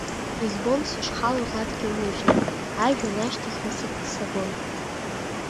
Избон сышхалоз адгьыл ныжьны, ажәҩан ашҭахь насыԥк сагон.